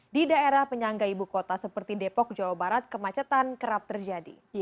di daerah penyangga ibu kota seperti depok jawa barat kemacetan kerap terjadi